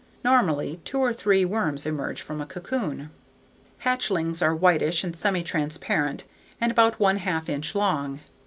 Normally, two or three young worms emerge from a cocoon. Hatchlings are whitish and semi transparent and about one half inch long.